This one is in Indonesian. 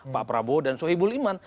pak prabowo dan sohibul iman